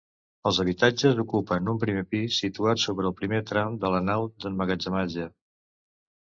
Els habitatges ocupen un primer pis situat sobre el primer tram de la nau d'emmagatzematge.